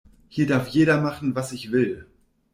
Hier darf jeder machen, was ich will.